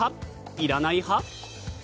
いらない派？